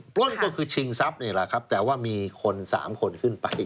ปล้นก็คือชิงทรัพย์นี่แหละครับแต่ว่ามีคนสามคนขึ้นไป